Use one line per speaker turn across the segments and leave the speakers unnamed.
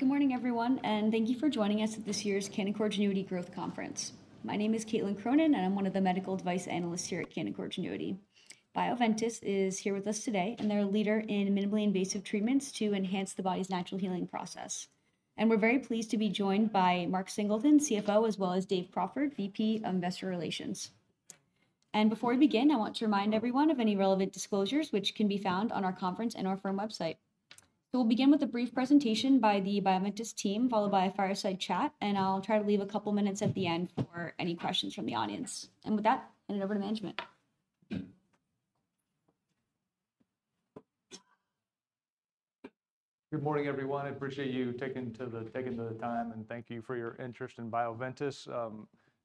Good morning, everyone, and thank you for joining us at this year's Canaccord Genuity Growth Conference. My name is Caitlin Cronin, and I'm one of the medical device analysts here at Canaccord Genuity. Bioventus is here with us today, and they're a leader in minimally invasive treatments to enhance the body's natural healing process. We're very pleased to be joined by Mark Singleton, CFO, as well as Dave Crawford, VP of Investor Relations. Before we begin, I want to remind everyone of any relevant disclosures, which can be found on our conference and our firm website. We'll begin with a brief presentation by the Bioventus team, followed by a fireside chat, and I'll try to leave a couple minutes at the end for any questions from the audience. With that, hand it over to management.
Good morning, everyone. I appreciate you taking the time, and thank you for your interest in Bioventus.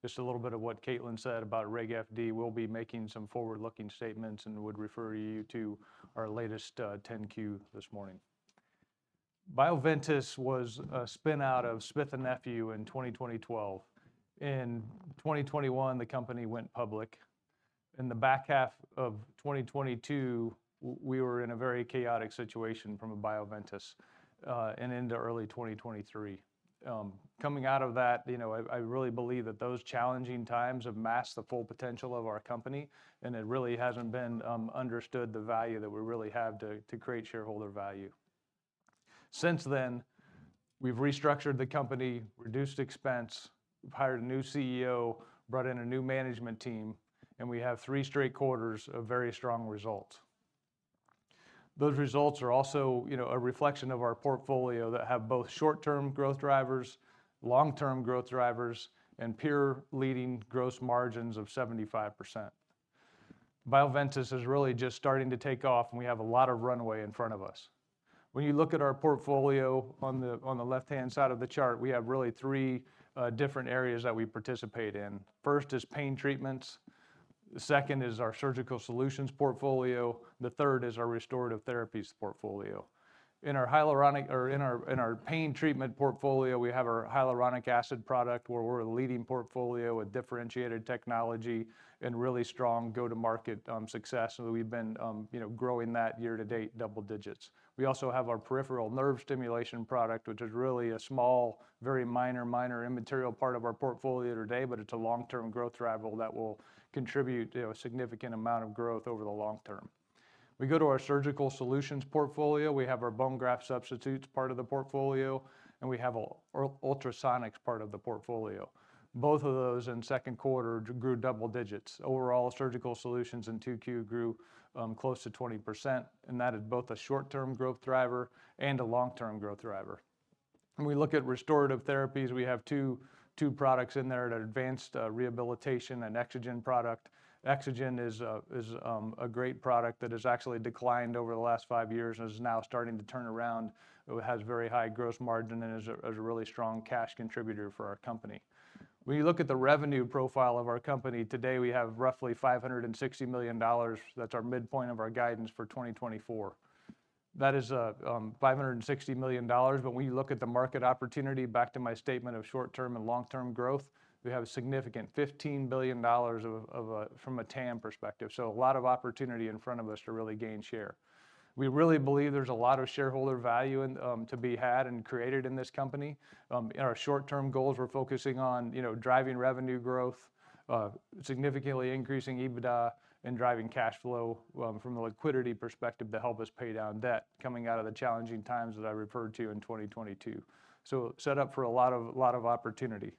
Just a little bit of what Caitlin said about Reg FD. We'll be making some forward-looking statements and would refer you to our latest 10-Q this morning. Bioventus was a spin-out of Smith & Nephew in 2012. In 2021, the company went public. In the back half of 2022, we were in a very chaotic situation from a Bioventus, and into early 2023. Coming out of that, you know, I really believe that those challenging times have masked the full potential of our company, and it really hasn't been understood the value that we really have to create shareholder value. Since then, we've restructured the company, reduced expense, we've hired a new CEO, brought in a new management team, and we have three straight quarters of very strong results. Those results are also, you know, a reflection of our portfolio that have both short-term growth drivers, long-term growth drivers, and peer-leading gross margins of 75%. Bioventus is really just starting to take off, and we have a lot of runway in front of us. When you look at our portfolio on the, on the left-hand side of the chart, we have really three different areas that we participate in. First is pain treatments, the second is our surgical solutions portfolio, the third is our restorative therapies portfolio. In our hyaluronic, in our pain treatment portfolio, we have our hyaluronic acid product, where we're a leading portfolio with differentiated technology and really strong go-to-market success, and we've been, you know, growing that year to date double digits. We also have our peripheral nerve stimulation product, which is really a small, very minor, minor, immaterial part of our portfolio today, but it's a long-term growth driver that will contribute, you know, a significant amount of growth over the long term. We go to our surgical solutions portfolio. We have our bone graft substitutes part of the portfolio, and we have a ultrasonics part of the portfolio. Both of those in Q2 grew double digits. Overall, surgical solutions in 2Q grew close to 20%, and that is both a short-term growth driver and a long-term growth driver. When we look at Restorative Therapies, we have two, two products in there, an Advanced Rehabilitation and EXOGEN product. EXOGEN is a great product that has actually declined over the last five years and is now starting to turn around. It has very high gross margin and is a really strong cash contributor for our company. When you look at the revenue profile of our company, today, we have roughly $560 million. That's our midpoint of our guidance for 2024. That is $560 million, but when you look at the market opportunity, back to my statement of short-term and long-term growth, we have a significant $15 billion of from a TAM perspective, so a lot of opportunity in front of us to really gain share. We really believe there's a lot of shareholder value in to be had and created in this company. In our short-term goals, we're focusing on, you know, driving revenue growth, significantly increasing EBITDA, and driving cash flow from the liquidity perspective to help us pay down debt coming out of the challenging times that I referred to in 2022. So set up for a lot of opportunity.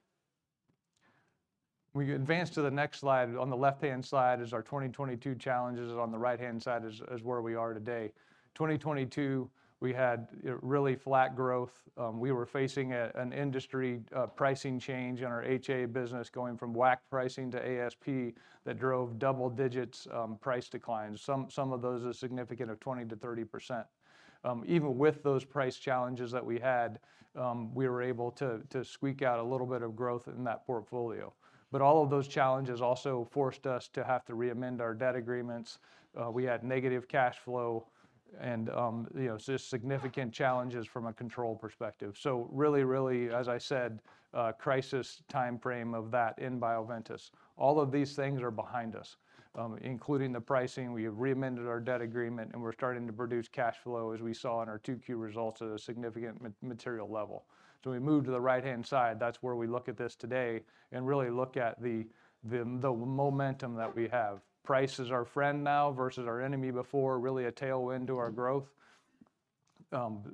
We advance to the next slide. On the left-hand side is our 2022 challenges, and on the right-hand side is where we are today. 2022, we had really flat growth. We were facing an industry pricing change in our HA business, going from WAC pricing to ASP that drove double digits price declines, some of those as significant as 20%-30%. Even with those price challenges that we had, we were able to squeak out a little bit of growth in that portfolio. But all of those challenges also forced us to have to re-amend our debt agreements. We had negative cash flow and, you know, just significant challenges from a control perspective. So really, really, as I said, a crisis timeframe of that in Bioventus. All of these things are behind us, including the pricing. We have re-amended our debt agreement, and we're starting to produce cash flow, as we saw in our 2Q results, at a significant material level. So we move to the right-hand side, that's where we look at this today and really look at the momentum that we have. Price is our friend now versus our enemy before, really a tailwind to our growth.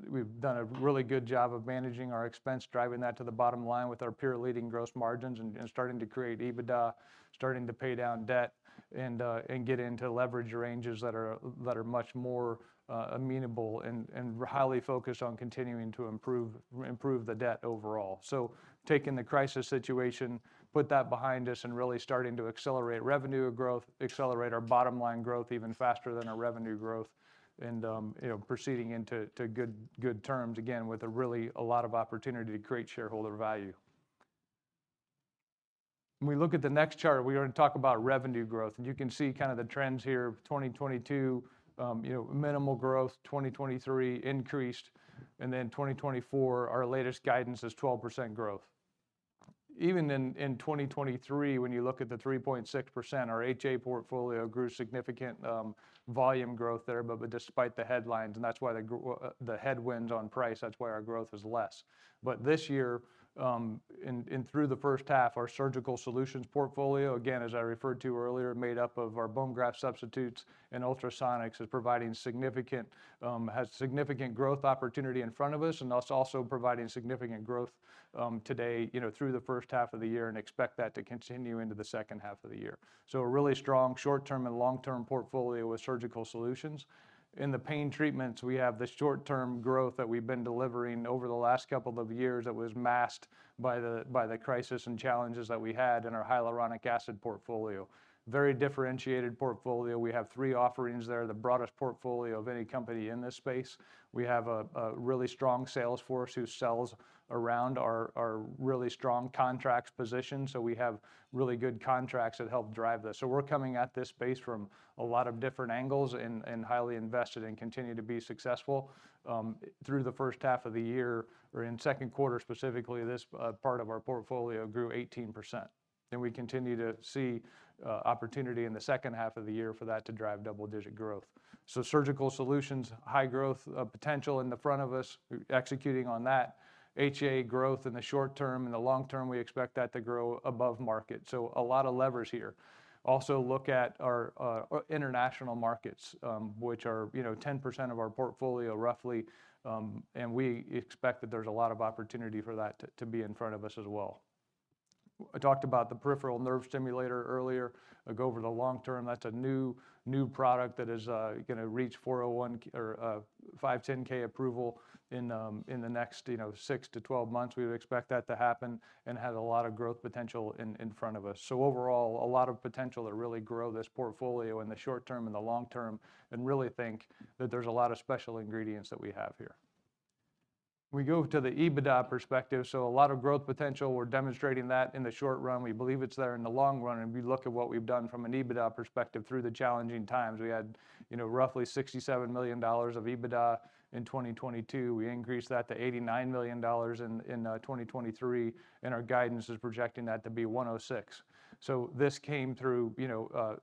We've done a really good job of managing our expense, driving that to the bottom line with our peer-leading gross margins and starting to create EBITDA, starting to pay down debt and get into leverage ranges that are much more amenable, and we're highly focused on continuing to improve the debt overall. So taking the crisis situation, put that behind us, and really starting to accelerate revenue growth, accelerate our bottom-line growth even faster than our revenue growth, and you know, proceeding into good terms, again, with a really a lot of opportunity to create shareholder value. When we look at the next chart, we are gonna talk about revenue growth. You can see kind of the trends here: 2022, you know, minimal growth, 2023, increased, and then 2024, our latest guidance is 12% growth. Even in 2023, when you look at the 3.6%, our HA portfolio grew significant, volume growth there. But despite the headlines, and that's why the headwinds on price, that's why our growth was less. But this year, and through the H1, our Surgical Solutions portfolio, again, as I referred to earlier, made up of our Bone Graft Substitutes and Ultrasonics, is providing significant, has significant growth opportunity in front of us, and it's also providing significant growth, today, you know, through the H1 of the year, and expect that to continue into the H2 of the year. So a really strong short-term and long-term portfolio with Surgical Solutions. In the Pain Treatments, we have the short-term growth that we've been delivering over the last couple of years that was masked by the, by the crisis and challenges that we had in our hyaluronic acid portfolio. Very differentiated portfolio. We have three offerings there, the broadest portfolio of any company in this space. We have a, a really strong sales force who sells around our, our really strong contracts position, so we have really good contracts that help drive this. So we're coming at this space from a lot of different angles and, and highly invested and continue to be successful. Through the H1 of the year or in Q2, specifically, this part of our portfolio grew 18%, and we continue to see opportunity in the H2 of the year for that to drive double-digit growth. So Surgical Solutions, high growth potential in front of us, we're executing on that. HA growth in the short term and the long term, we expect that to grow above market, so a lot of levers here. Also look at our international markets, which are, you know, 10% of our portfolio, roughly, and we expect that there's a lot of opportunity for that to be in front of us as well. I talked about the peripheral nerve stimulator earlier. Again, over the long term, that's a new, new product that is gonna reach 510(k) approval in the next, you know, 6-12 months. We would expect that to happen and has a lot of growth potential in front of us. So overall, a lot of potential to really grow this portfolio in the short term and the long term, and really think that there's a lot of special ingredients that we have here. We go to the EBITDA perspective, so a lot of growth potential. We're demonstrating that in the short run. We believe it's there in the long run, and we look at what we've done from an EBITDA perspective through the challenging times. We had, you know, roughly $67 million of EBITDA in 2022. We increased that to $89 million in 2023, and our guidance is projecting that to be $106 million. So this came through, you know,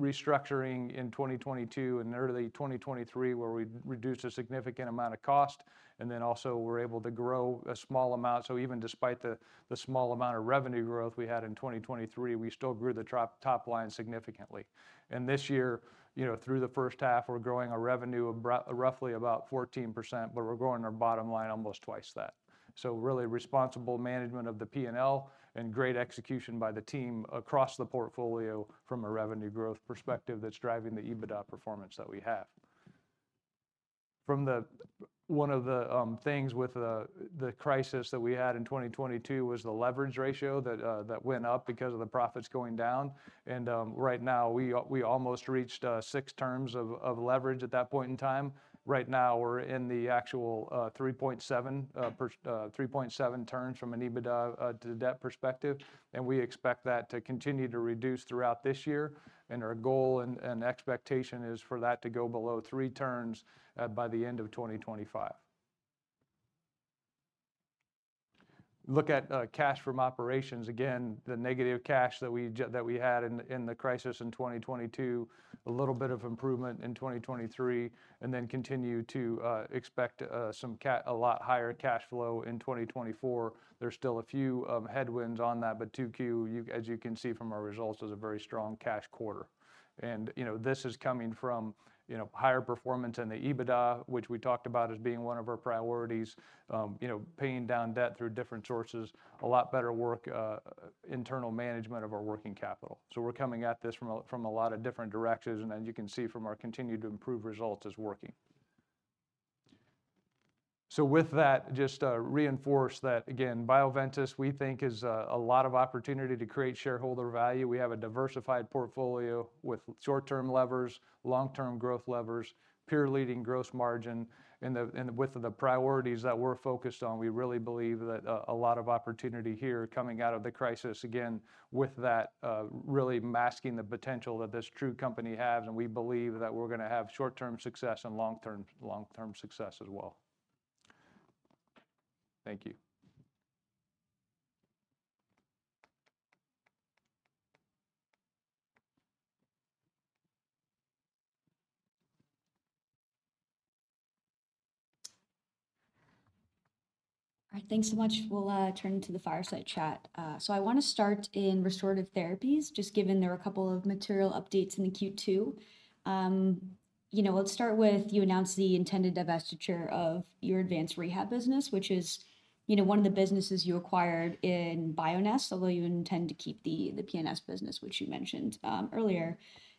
restructuring in 2022 and early 2023, where we reduced a significant amount of cost, and then also were able to grow a small amount. So even despite the small amount of revenue growth we had in 2023, we still grew the top line significantly. And this year, you know, through the H1, we're growing our revenue roughly about 14%, but we're growing our bottom line almost twice that. So really responsible management of the P&L and great execution by the team across the portfolio from a revenue growth perspective that's driving the EBITDA performance that we have. From the... One of the things with the crisis that we had in 2022 was the leverage ratio that went up because of the profits going down, and right now, we almost reached 6 turns of leverage at that point in time. Right now, we're in the actual 3.7 turns from an EBITDA to debt perspective, and we expect that to continue to reduce throughout this year, and our goal and expectation is for that to go below 3 turns by the end of 2025. Look at cash from operations. Again, the negative cash that we had in the crisis in 2022, a little bit of improvement in 2023, and then continue to expect a lot higher cash flow in 2024. There's still a few headwinds on that, but 2Q, you, as you can see from our results, was a very strong cash quarter. And, you know, this is coming from, you know, higher performance in the EBITDA, which we talked about as being one of our priorities. You know, paying down debt through different sources, a lot better work, internal management of our working capital. So we're coming at this from a, from a lot of different directions, and as you can see from our continued improved results, it's working. So with that, just to reinforce that, again, Bioventus, we think, is a, a lot of opportunity to create shareholder value. We have a diversified portfolio with short-term levers, long-term growth levers, peer-leading gross margin. And with the priorities that we're focused on, we really believe that a lot of opportunity here coming out of the crisis, again, with that really masking the potential that this true company has, and we believe that we're gonna have short-term success and long-term, long-term success as well. Thank you.
All right, thanks so much. We'll turn to the fireside chat. So I wanna start in Restorative Therapies, just given there were a couple of material updates in the Q2. You know, let's start with you announced the intended divestiture of your advanced rehab business, which is, you know, one of the businesses you acquired in Bioness, although you intend to keep the PNS business, which you mentioned earlier,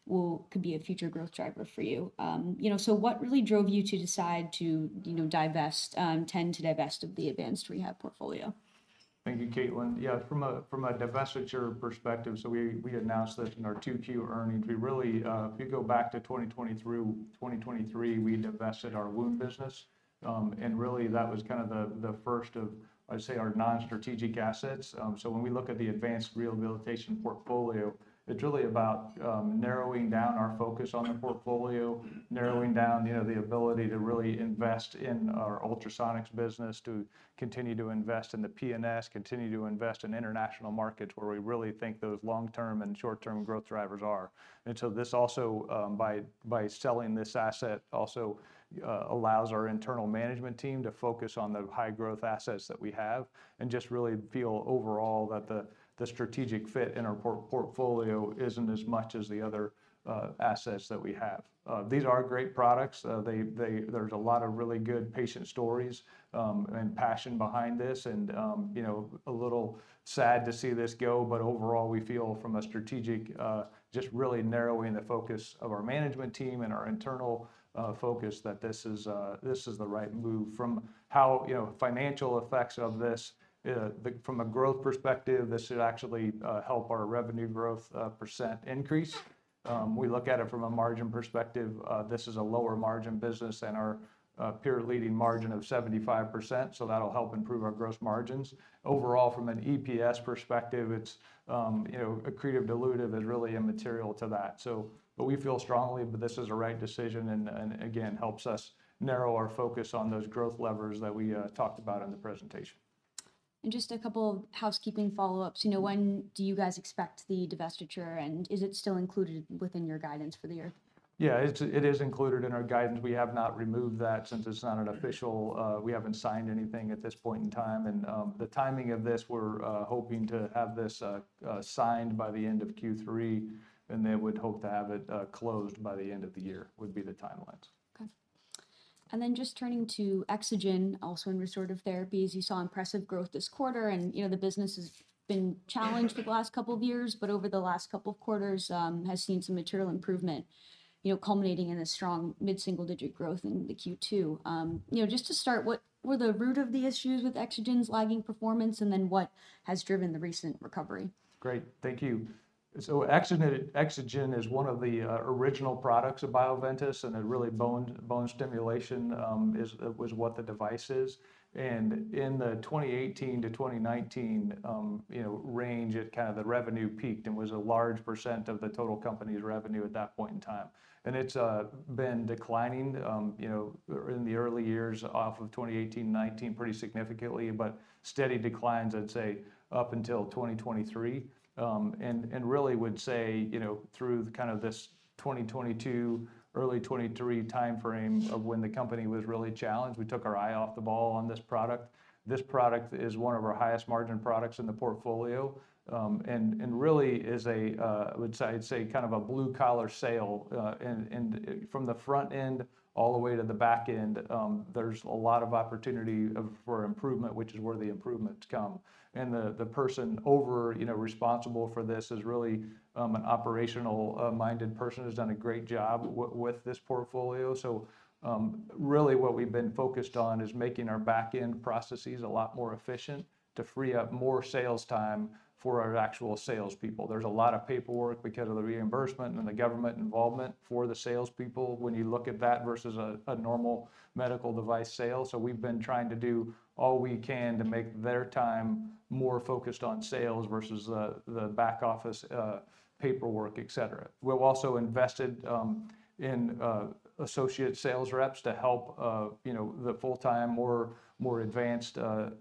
could be a future growth driver for you. You know, so what really drove you to decide to, you know, tend to divest of the advanced rehab portfolio?...
Thank you, Caitlin. Yeah, from a divestiture perspective, so we announced this in our 2Q earnings. We really, if you go back to 2023, 2023, we divested our wound business. And really that was kind of the first of, I'd say, our non-strategic assets. So when we look at the advanced rehabilitation portfolio, it's really about narrowing down our focus on the portfolio, narrowing down, you know, the ability to really invest in our ultrasonics business, to continue to invest in the PNS, continue to invest in international markets where we really think those long-term and short-term growth drivers are. And so this also by selling this asset also allows our internal management team to focus on the high growth assets that we have, and just really feel overall that the strategic fit in our portfolio isn't as much as the other assets that we have. These are great products. There's a lot of really good patient stories, and passion behind this and, you know, a little sad to see this go, but overall, we feel from a strategic just really narrowing the focus of our management team and our internal focus, that this is the right move. From how, you know, financial effects of this, from a growth perspective, this should actually help our revenue growth percent increase. We look at it from a margin perspective, this is a lower margin business than our peer-leading margin of 75%, so that'll help improve our gross margins. Overall, from an EPS perspective, it's, you know, accretive dilutive is really immaterial to that so... But we feel strongly that this is the right decision and, and again, helps us narrow our focus on those growth levers that we talked about in the presentation.
Just a couple of housekeeping follow-ups. You know, when do you guys expect the divestiture, and is it still included within your guidance for the year?
Yeah, it's, it is included in our guidance. We have not removed that since it's not an official. We haven't signed anything at this point in time, and, the timing of this, we're, hoping to have this, signed by the end of Q3, and then we'd hope to have it, closed by the end of the year, would be the timeline.
Okay. And then just turning to EXOGEN, also in restorative therapy, as you saw impressive growth this quarter, and, you know, the business has been challenged for the last couple of years, but over the last couple of quarters, has seen some material improvement, you know, culminating in a strong mid-single-digit growth in the Q2. You know, just to start, what were the root of the issues with EXOGEN's lagging performance, and then what has driven the recent recovery?
Great. Thank you. So EXOGEN is one of the original products of Bioventus, and really bone stimulation is what the device is. And in the 2018-2019, you know, range, it kind of the revenue peaked and was a large percent of the total company's revenue at that point in time. And it's been declining, you know, in the early years off of 2018-2019, pretty significantly, but steady declines, I'd say, up until 2023. And really would say, you know, through kind of this 2022, early 2023 timeframe of when the company was really challenged, we took our eye off the ball on this product. This product is one of our highest margin products in the portfolio, and really is a, I would say kind of a blue-collar sale. And from the front end all the way to the back end, there's a lot of opportunity for improvement, which is where the improvements come. And the person over, you know, responsible for this is really an operational minded person, who's done a great job with this portfolio. So, really what we've been focused on is making our back-end processes a lot more efficient to free up more sales time for our actual salespeople. There's a lot of paperwork because of the reimbursement and the government involvement for the salespeople when you look at that versus a normal medical device sale. So we've been trying to do all we can to make their time more focused on sales versus the back office paperwork, et cetera. We've also invested in associate sales reps to help, you know, the full-time, more advanced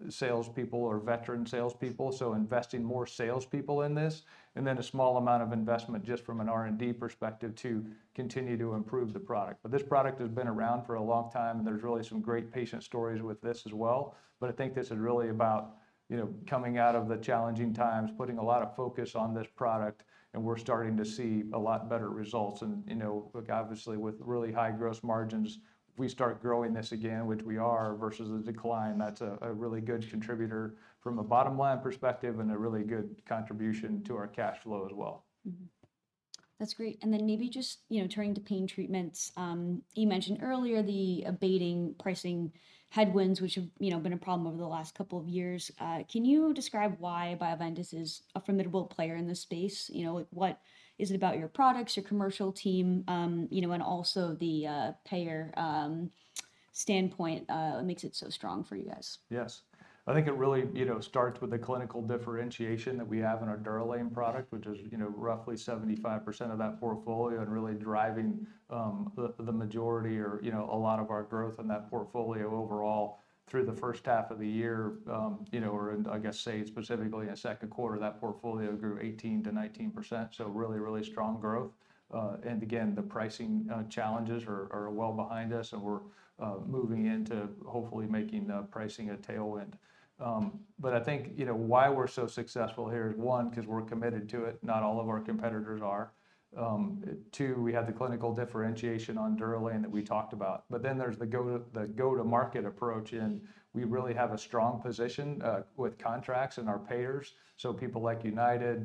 salespeople or veteran salespeople, so investing more salespeople in this, and then a small amount of investment just from an R&D perspective to continue to improve the product. But this product has been around for a long time, and there's really some great patient stories with this as well. But I think this is really about, you know, coming out of the challenging times, putting a lot of focus on this product, and we're starting to see a lot better results and, you know, look, obviously, with really high gross margins, if we start growing this again, which we are, versus a decline, that's a really good contributor from a bottom-line perspective and a really good contribution to our cash flow as well.
Mm-hmm. That's great, and then maybe just, you know, turning to pain treatments, you mentioned earlier the abating pricing headwinds, which have, you know, been a problem over the last couple of years. Can you describe why Bioventus is a formidable player in this space? You know, like, what is it about your products, your commercial team, you know, and also the payer standpoint, that makes it so strong for you guys?
Yes.... I think it really, you know, starts with the clinical differentiation that we have in our DUROLANE product, which is, you know, roughly 75% of that portfolio and really driving the majority or, you know, a lot of our growth in that portfolio overall through the H1 of the year. You know, or in, I guess, say specifically in the Q2, that portfolio grew 18%-19%, so really, really strong growth. And again, the pricing challenges are well behind us, and we're moving into hopefully making pricing a tailwind. But I think, you know, why we're so successful here is, one, 'cause we're committed to it. Not all of our competitors are. Two, we have the clinical differentiation on DUROLANE that we talked about. But then there's the go-to-market approach, and we really have a strong position with contracts and our payers. So people like UnitedHealthcare,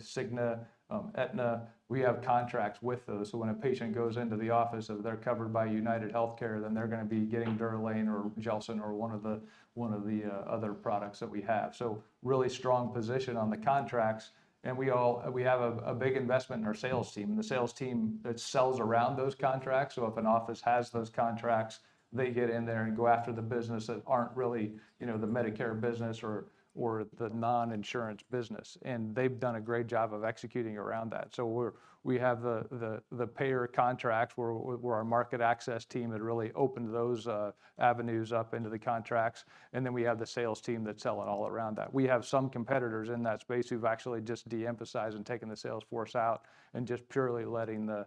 Cigna, Aetna, we have contracts with those. So when a patient goes into the office, if they're covered by UnitedHealthcare, then they're gonna be getting DUROLANE or GELSYN-3 or one of the other products that we have. So really strong position on the contracts, and we have a big investment in our sales team, and the sales team, it sells around those contracts. So if an office has those contracts, they get in there and go after the business that aren't really, you know, the Medicare business or the non-insurance business, and they've done a great job of executing around that. So we're we have the payer contracts, where our market access team had really opened those avenues up into the contracts, and then we have the sales team that sell it all around that. We have some competitors in that space who've actually just de-emphasized and taken the sales force out and just purely letting the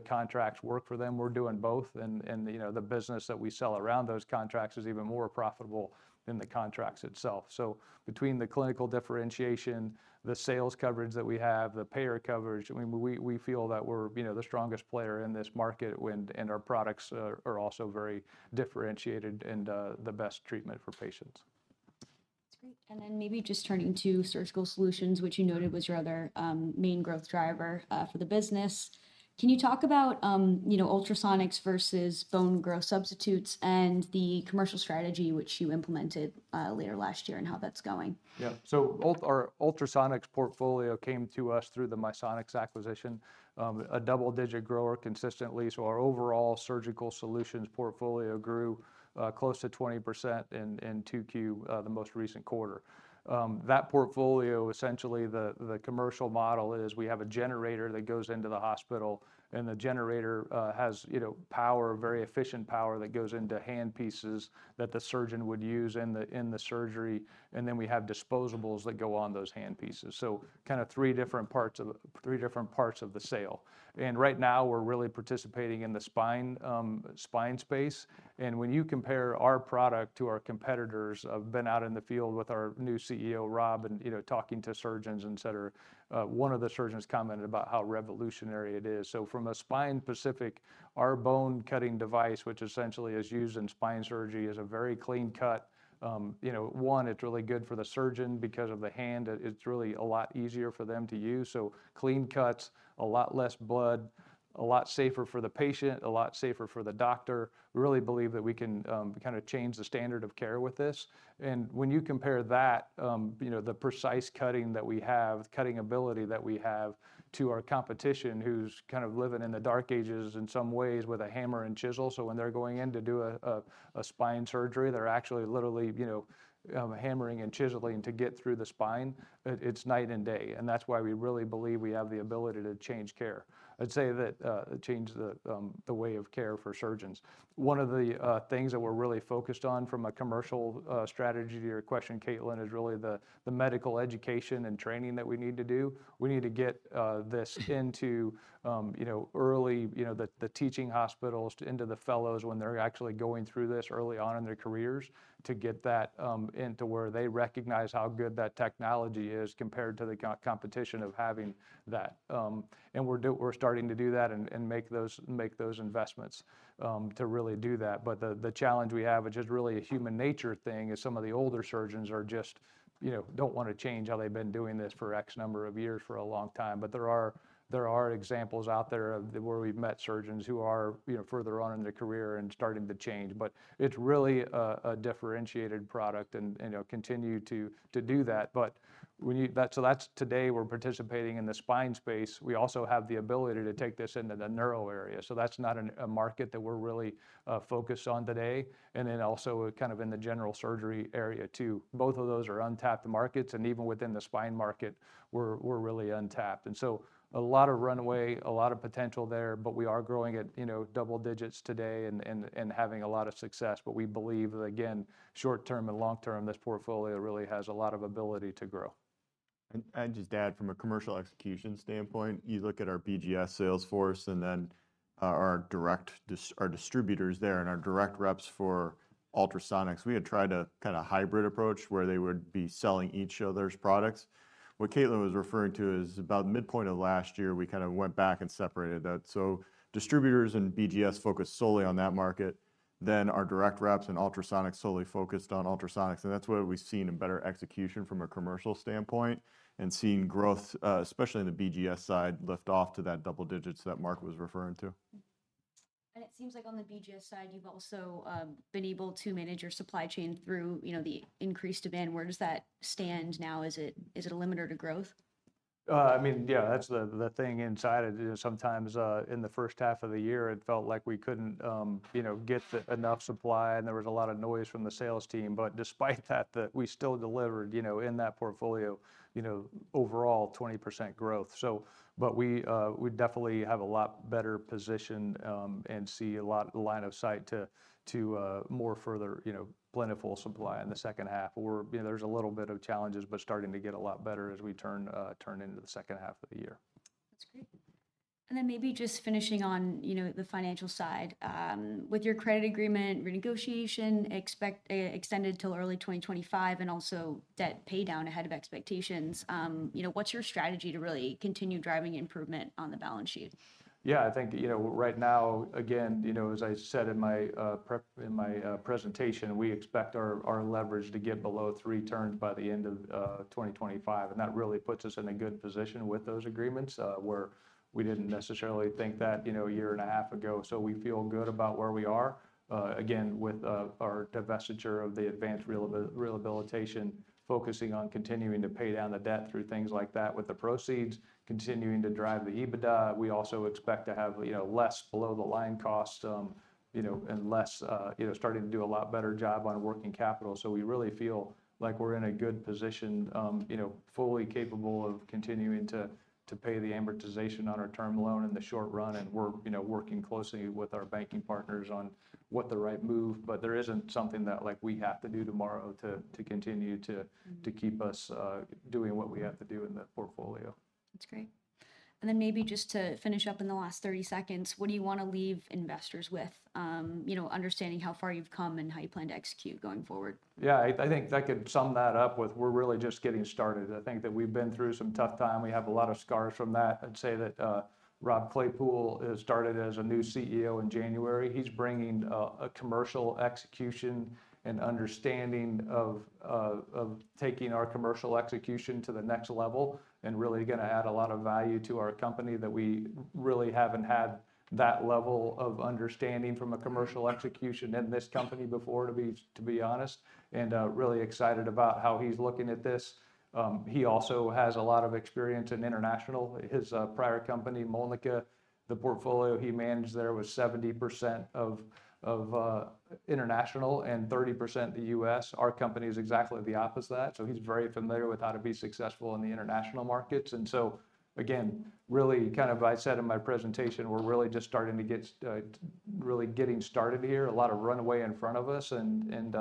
contracts work for them. We're doing both, and you know, the business that we sell around those contracts is even more profitable than the contracts itself. So between the clinical differentiation, the sales coverage that we have, the payer coverage, I mean, we feel that we're you know, the strongest player in this market and our products are also very differentiated and the best treatment for patients.
That's great. And then maybe just turning to Surgical Solutions, which you noted was your other main growth driver for the business. Can you talk about, you know, Ultrasonics versus Bone Graft Substitutes and the commercial strategy which you implemented later last year and how that's going?
Yeah. So our ultrasonics portfolio came to us through the Misonix acquisition, a double-digit grower consistently, so our overall surgical solutions portfolio grew close to 20% in 2Q, the most recent quarter. That portfolio, essentially, the commercial model is we have a generator that goes into the hospital, and the generator has, you know, power, very efficient power that goes into hand pieces that the surgeon would use in the surgery, and then we have disposables that go on those hand pieces. So kinda three different parts of the sale. Right now, we're really participating in the spine space, and when you compare our product to our competitors, I've been out in the field with our new CEO, Rob, and, you know, talking to surgeons, et cetera, one of the surgeons commented about how revolutionary it is. So from a spine-specific, our bone cutting device, which essentially is used in spine surgery, is a very clean cut. You know, one, it's really good for the surgeon because of the handle. It, it's really a lot easier for them to use, so clean cuts, a lot less blood, a lot safer for the patient, a lot safer for the doctor. We really believe that we can kinda change the standard of care with this. When you compare that, you know, the precise cutting that we have, cutting ability that we have, to our competition, who's kind of living in the dark ages in some ways with a hammer and chisel, so when they're going in to do a spine surgery, they're actually literally, you know, hammering and chiseling to get through the spine. It's night and day, and that's why we really believe we have the ability to change care. I'd say that change the way of care for surgeons. One of the things that we're really focused on from a commercial strategy to your question, Caitlin, is really the medical education and training that we need to do. We need to get this into, you know, early, you know, the teaching hospitals, into the fellows when they're actually going through this early on in their careers, to get that into where they recognize how good that technology is compared to the co-competition of having that. And we're starting to do that and make those investments to really do that. But the challenge we have, which is really a human nature thing, is some of the older surgeons are just... you know, don't wanna change how they've been doing this for X number of years, for a long time. But there are examples out there of where we've met surgeons who are, you know, further on in their career and starting to change. But it's really a differentiated product and, you know, continue to do that. But we need— That's, so that's today, we're participating in the spine space. We also have the ability to take this into the neural area, so that's not a market that we're really focused on today, and then also kind of in the general surgery area, too. Both of those are untapped markets, and even within the spine market, we're really untapped. And so a lot of runway, a lot of potential there, but we are growing at, you know, double digits today and having a lot of success. But we believe, again, short term and long term, this portfolio really has a lot of ability to grow.
I'd just add from a commercial execution standpoint, you look at our BGS sales force and then our distributors there and our direct reps for ultrasonics. We had tried a kinda hybrid approach where they would be selling each other's products. What Caitlin was referring to is about midpoint of last year, we kind of went back and separated that. So distributors and BGS focused solely on that market, then our direct reps and ultrasonics solely focused on ultrasonics, and that's where we've seen a better execution from a commercial standpoint and seen growth, especially in the BGS side, lift off to that double digits that Mark was referring to.
It seems like on the BGS side, you've also been able to manage your supply chain through, you know, the increased demand. Where does that stand now? Is it a limiter to growth?...
I mean, yeah, that's the thing inside it is sometimes in the H1 of the year, it felt like we couldn't, you know, get enough supply, and there was a lot of noise from the sales team. But despite that, we still delivered, you know, in that portfolio, you know, overall 20% growth. So but we, we definitely have a lot better position, and see a lot line of sight to, to, more further, you know, plentiful supply in the H2, or, you know, there's a little bit of challenges, but starting to get a lot better as we turn, turn into the H2 of the year.
That's great. And then maybe just finishing on, you know, the financial side. With your credit agreement, renegotiation expected, extended till early 2025 and also debt pay down ahead of expectations, you know, what's your strategy to really continue driving improvement on the balance sheet?
Yeah, I think, you know, right now, again, you know, as I said in my presentation, we expect our leverage to get below 3 turns by the end of 2025, and that really puts us in a good position with those agreements, where we didn't necessarily think that, you know, a year and a half ago. So we feel good about where we are. Again, with our divestiture of the advanced rehabilitation, focusing on continuing to pay down the debt through things like that, with the proceeds continuing to drive the EBITDA. We also expect to have, you know, less below-the-line costs, you know, and less. You know, starting to do a lot better job on working capital. So we really feel like we're in a good position, you know, fully capable of continuing to pay the amortization on our term loan in the short run, and we're, you know, working closely with our banking partners on what the right move. But there isn't something that, like, we have to do tomorrow to continue to keep us doing what we have to do in that portfolio.
That's great. And then maybe just to finish up in the last 30 seconds, what do you wanna leave investors with? You know, understanding how far you've come and how you plan to execute going forward.
Yeah, I think I could sum that up with we're really just getting started. I think that we've been through some tough time. We have a lot of scars from that. I'd say that Rob Claypoole has started as a new CEO in January. He's bringing a commercial execution and understanding of taking our commercial execution to the next level, and really gonna add a lot of value to our company, that we really haven't had that level of understanding from a commercial execution in this company before, to be honest, and really excited about how he's looking at this. He also has a lot of experience in international. His prior company, Mölnlycke, the portfolio he managed there was 70% international and 30% the US. Our company is exactly the opposite of that, so he's very familiar with how to be successful in the international markets. And so, again, really kind of I said in my presentation, we're really just starting to get, really getting started here. A lot of runway in front of us and, and,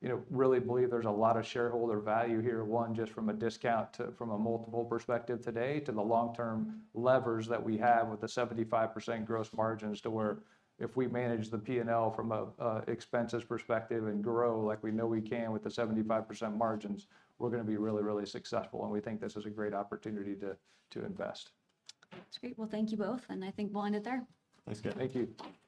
you know, really believe there's a lot of shareholder value here. One, just from a discount to... from a multiple perspective today, to the long-term levers that we have with the 75% gross margins, to where if we manage the P&L from a, a expenses perspective and grow like we know we can with the 75% margins, we're gonna be really, really successful, and we think this is a great opportunity to, to invest.
That's great. Well, thank you both, and I think we'll end it there.
Thanks, Kate.
Thank you.